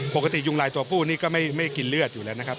ปกติยุงลายตัวผู้นี่ก็ไม่กินเลือดอยู่แล้วนะครับ